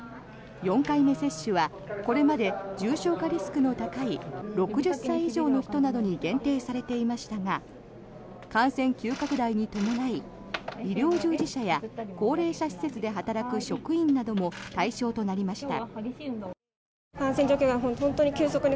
４回目接種はこれまで重症化リスクの高い６０歳以上の人などに限定されていましたが感染急拡大に伴い医療従事者や高齢者施設で働く職員なども対象となりました。